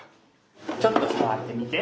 ちょっとさわってみて。